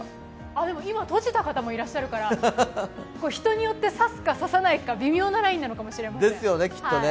でも今、閉じた方もいらっしゃるから、人によって差すか差ないか微妙なラインなのかもしれません。